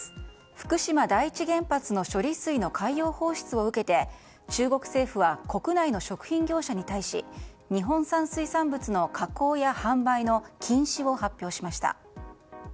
福島第一原発の処理水の海洋放出を受けて中国政府は国内の食品業者に対し日本産水産物の加工や販売の禁止を発表しました。